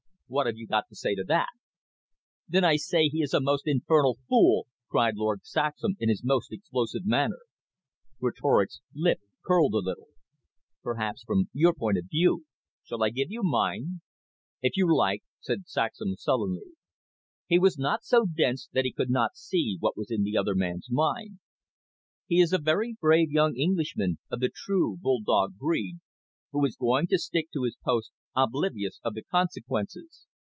What have you got to say to that?" "Then I say he is a most infernal fool," cried Lord Saxham in his most explosive manner. Greatorex's lip curled a little. "Perhaps from your point of view. Shall I give you mine?" "If you like," said Saxham sullenly. He was not so dense that he could not see what was in the other man's mind. "He is a very brave young Englishman of the true bulldog breed, who is going to stick to his post oblivious of the consequences.